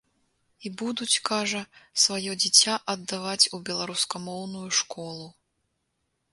І будуць, кажа, сваё дзіця аддаваць у беларускамоўную школу.